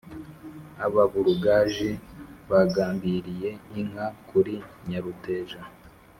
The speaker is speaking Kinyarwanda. Ababurugaji bagambiriye inka kuri Nyaruteja,